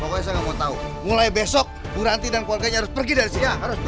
pokoknya saya nggak mau tahu mulai besok bu ranti dan keluarganya harus pergi dari sini